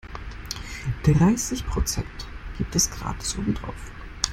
Dreißig Prozent gibt es gratis obendrauf.